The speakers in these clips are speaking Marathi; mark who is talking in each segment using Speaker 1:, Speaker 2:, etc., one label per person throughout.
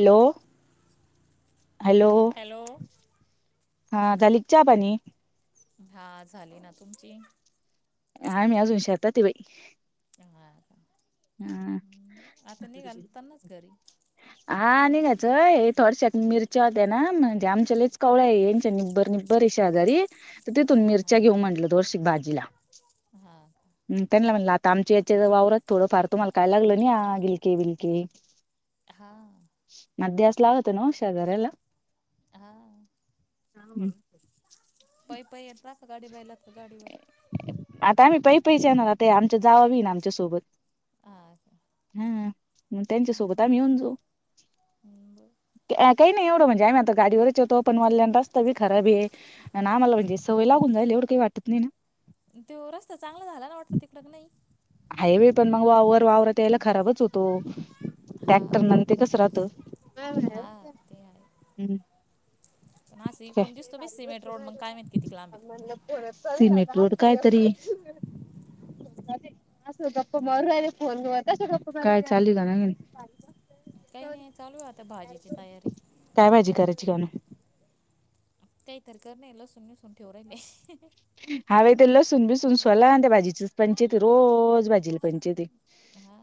Speaker 1: हॅलो हॅलो
Speaker 2: हॅलो
Speaker 1: हा झाली क चहा पाणी
Speaker 2: हा झाली ना तुमची
Speaker 1: आम्ही अजून शेताताय बाई
Speaker 2: हा का
Speaker 1: हा
Speaker 2: आता निघाल त्यांनाच घरी
Speaker 1: हा निघायचंय हे थोडश्यात मिरच्या होत ना म्हणजे आमच्यालाच कवळ्याय आहे यांच्या निब्बर बर शेजारी तर तिथून
Speaker 2: हा हा
Speaker 1: मिरच्या घेऊ म्हटलं वर्षिक भाजीला
Speaker 2: हा
Speaker 1: त्यांला म्हणलं आता आमच्या याच्या वावरात थोडं फार तुम्हाला काय लागलं ना गिलके बिलके
Speaker 2: हा
Speaker 1: मध्यास लागत ना शेजाऱ्याला
Speaker 2: हा
Speaker 1: [unintelligible]
Speaker 2: पै पई येत रा का गाडी वयला का गाडीवर
Speaker 1: आता आम्ही पई पई जाणार आ ते आमच्या जाव बी ना आमच्या सोबत
Speaker 2: अ का
Speaker 1: हा मग त्यांच्यासोबत
Speaker 2: हम्म,
Speaker 1: आम्ही येऊन जाऊ
Speaker 2: हम्म, बरं.
Speaker 1: काही नाही एवढं म्हणजे आहे मी आता गाडीवरच होेतो पण वाल्या आणि रस्ता बी खराबी आहे आणि अमाला म्हणजे सवय लागून जायल एवढं काही वाटत नाही ना
Speaker 2: तो रस्ता चांगला झाला ना वाटत तिकडं का नाही.
Speaker 1: हायवे पण मग वर वावरात यायला खराबच होतो.
Speaker 2: हा
Speaker 1: टॅक्टर न कस राहत
Speaker 2: हा
Speaker 1: [unintelligible]
Speaker 2: ते आहे
Speaker 1: हम्.
Speaker 2: [unintelligible]
Speaker 1: सिमेंट रोड काय तरी अस गप्पा
Speaker 2: तो हा
Speaker 1: मारू
Speaker 2: का
Speaker 1: राहिले फोनवर कशा गप्पा [unintelligible] काय चालय काय नई
Speaker 2: काही नाही चालू आहे आता भाजीची तयारी.
Speaker 1: काय भाजी करायची [unintelligible]
Speaker 2: [unintelligible] लसुण विसुन ठेऊन राहीले
Speaker 1: हाव ते लसूण बिसून सोला त्या भाजीच रोज भाजीला पंचाईताय
Speaker 2: हा.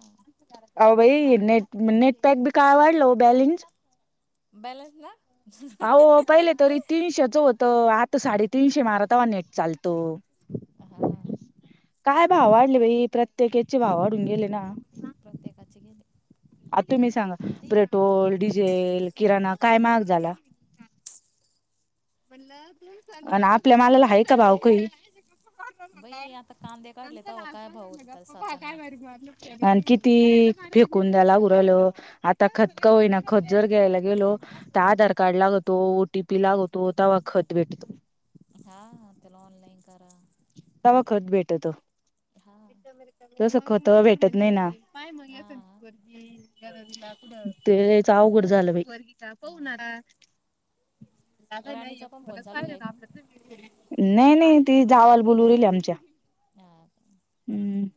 Speaker 1: आओ भाई नेट नेटपॅक बी काय वाढलं वो बॅलन्स
Speaker 2: बॅलन्स ना.
Speaker 1: आओ पहिले तरी तीनशेच होतं. आता साडे तिनश मारत तवा नेट चालतं
Speaker 2: हा
Speaker 1: काय भाव वाढले बाई प्रत्येकाचे भाव वाढून गेले ना
Speaker 2: प्रत्येकाची गेले
Speaker 1: आ तुम्ही सांगा पेट्रोल डिझेल किराणा काय महाग झाला आणि आपल्या मालाला आहे का भाव काही.
Speaker 2: बई आता कांदे काढले तेव्हा काय भाव होता त्याला सात आणि आठ.
Speaker 1: आणि किती फेकून झाला उरल. आता खत का होईना खत जर घ्यायला गेलो तर आधार कार्ड लागतो ओटीपी लागवतो. तो तवा खत भेटतो.
Speaker 2: हा त्याला ऑनलाईन करा.
Speaker 1: तेव्हा खत भेटते.
Speaker 2: हा
Speaker 1: तस खत भेटत नाही ना.
Speaker 2: हा खत
Speaker 1: तेच
Speaker 2: भेटत
Speaker 1: अवघड झालं
Speaker 2: नाही
Speaker 1: बाई.
Speaker 2: हा राणीचा पण फोन चालू घ्या ऐकून
Speaker 1: [inaudible] नाही नाही ते जावाला बोलू राहिले आमच्या.
Speaker 2: हां.
Speaker 1: हम्म.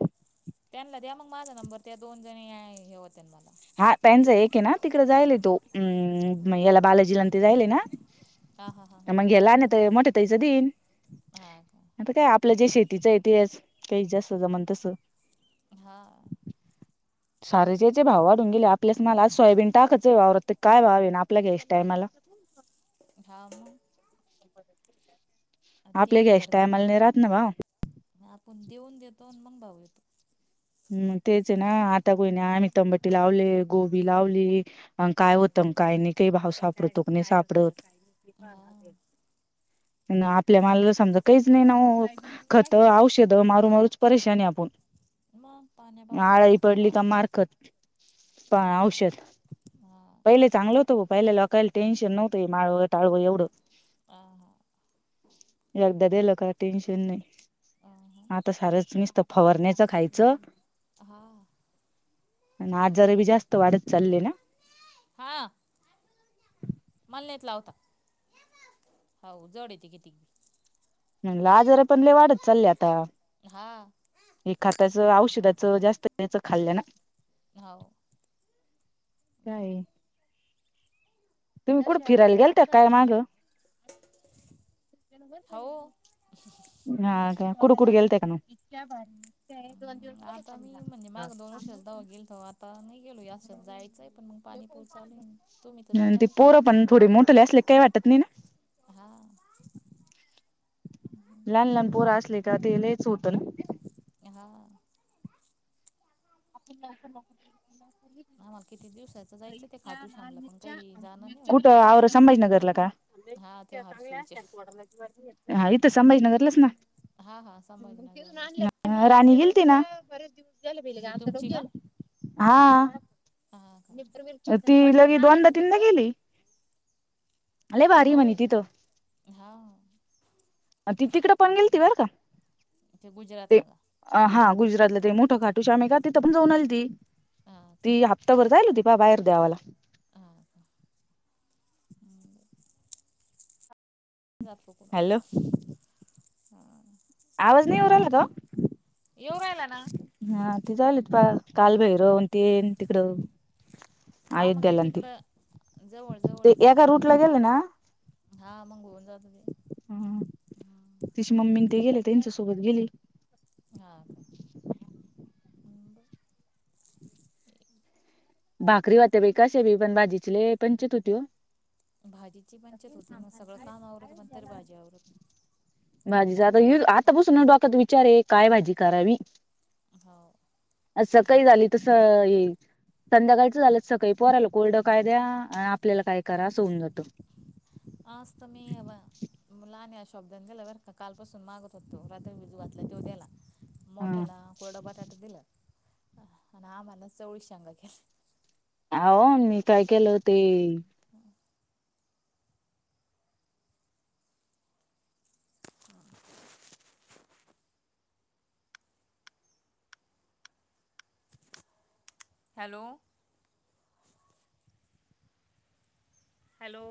Speaker 2: त्यांना द्या मग माझा नंबर त्या दोन जणी हे होतील मला.
Speaker 1: हा त्यांच एक आहे ना तिकड जायला तो अम् याला बालाजीलांत जायलय ना.
Speaker 2: हा हा हा हां
Speaker 1: माझे लहान मोठ्या ताईचे देईल.
Speaker 2: हां का.
Speaker 1: काय आपलं जे शेतीच आहे तेच काही जसं जमण तसं.
Speaker 2: हां.
Speaker 1: शारेजचे भावात. आपल्याच मला सोयाबीन टाकायच काय भावा आणि आपलं घ्यायचं टायमाला.
Speaker 2: हा मग.
Speaker 1: आपले घ्यायचा टायमाला न राहात ना भाव.
Speaker 2: म आपण देऊन देतो मग भाव येतो.
Speaker 1: हम् तेच आहे ना आता कोणी नाही आम्ही तंबटी लावले गोबी लावली. अ काय होतं म काही नाही काही भाव सापडतोक नाही सापडतत.
Speaker 2: हा
Speaker 1: आपल्या मलाला समजा काहीच नाही ना ओ. खत, औषधं मारू मारूच परेशान आपण.
Speaker 2: मग पाणी.
Speaker 1: आळाई पडली का मारखत पण
Speaker 2: हा
Speaker 1: औषध.
Speaker 2: हा
Speaker 1: पहिले चांगलं होतं पहिल्या लोकायला टेन्शन नव्हत माळ टाळवं एवढं.
Speaker 2: हां
Speaker 1: एकदा दिलं का टेनशन नाही.
Speaker 2: अ
Speaker 1: हा तर सारच नुसतं फववरण्याचं खायचं.
Speaker 2: हा हा
Speaker 1: आजार पे जास्त वाढत चाललेत ना?
Speaker 2: हां. मला नाय येत ते लावता हो जड येते किती.
Speaker 1: म्हणलं आजार पण लय वाढत चालले आता.
Speaker 2: हां
Speaker 1: हे खात्याचं औषधाचं जास्त याचं खाल्लं ना.
Speaker 2: हाव
Speaker 1: काय तुम्ही कुठं फिरायला गेलत्या काय माग?
Speaker 2: हावो [unintelligible]
Speaker 1: ह का कुट कुटे गेलत्या?
Speaker 2: ह आता मी म्हणजे माग दोन वर्षात जाऊ गेल त आता नाही गेलो याात जायचंय. पण मग पाणी पाऊस चालू तुम्ही तर जाता ना कोठ.
Speaker 1: तुले असले काही वाटत नाही ना.
Speaker 2: हां
Speaker 1: लहान लहान पोर असले का ते लच होतं ना.
Speaker 2: हां
Speaker 1: लो [inaudible]
Speaker 2: आम्हाला किती दिवसाचं जायचं ते खाटू श्यामला पण काही जाणं नाही होईना
Speaker 1: कुठ आऔर संभाजीनगरला का?
Speaker 2: हा ते हर्सूलच्या
Speaker 1: हा इथं संभाजीनगरलाच ना?
Speaker 2: हा हा संभाजीनगरलाच ना.
Speaker 1: राणी गेलती ना.
Speaker 2: ही
Speaker 1: [unintelligible]
Speaker 2: तुमची का
Speaker 1: [unintelligible] हां
Speaker 2: हा का
Speaker 1: ती लगी दोनदा तीनदा गेली. लय भारी
Speaker 2: हो
Speaker 1: म्हणे
Speaker 2: बाई
Speaker 1: तिथं
Speaker 2: हा
Speaker 1: ती तिकडे पण गेलती बर का.
Speaker 2: तिथे
Speaker 1: ते
Speaker 2: गुजरातला का?
Speaker 1: अ हा गुजरातला ते मोठं खाटू श्यामे का तिथं पण जाऊन आली ती
Speaker 2: हा
Speaker 1: ती
Speaker 2: का
Speaker 1: हं त बर जाईल होती बाहेर देवाला.
Speaker 2: हा का [inaudible] तू नाही जात का
Speaker 1: हॅलो
Speaker 2: कुठे ह्ं
Speaker 1: आवाज नाही येऊ राहिला का?
Speaker 2: येऊ राहिला ना.
Speaker 1: हा ते जायेलेत का काल भैरव ते येन तिकडं. ह
Speaker 2: हा
Speaker 1: एक
Speaker 2: मग ते
Speaker 1: गेलांत
Speaker 2: तिकडं जवळ
Speaker 1: ते
Speaker 2: जवळच आहे ना
Speaker 1: एका रूट ला गेले ना
Speaker 2: हा मग होऊन जात ते हम्म
Speaker 1: तिची मम्मी ते गेले त्यांच्यासोबत गेले.
Speaker 2: हा का मुंबई ह [inaudible]
Speaker 1: भाकरी होत्यात बाई कशाभी पण भाजीची लय पंचायत होती वो.
Speaker 2: भाजीची पंचायत होती मग सगळं काम आवरत पण तरी भाजी आवरत नाही.
Speaker 1: भाजीच आता आतापसून डोक्यात विचारे काय भाजी करावी.
Speaker 2: हो
Speaker 1: असं काही झाली काही झाली तसं येईल. संध्याकाळचं झालं सकाळी पोरा आला कोर्डं कायद्या आपल्याला काय करा होऊन जातं.
Speaker 2: आज तर मी हे बा मुला आणि अश शब्दात गेला बर कालपासून मागत होतो रात्री विजू घातला तेव द्याला.
Speaker 1: हा
Speaker 2: मोठ्याला कोरडं बटाटा दिलं आणि आम्हाला चवळीच्या शेंगा केल्या
Speaker 1: हो मी काय केलं ते.
Speaker 2: [inaudible] Hello hello